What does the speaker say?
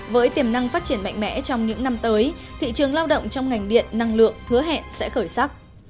với tiềm năng phát triển mạnh mẽ trong những năm tới thị trường lao động trong ngành điện năng lượng hứa hẹn sẽ khởi sắc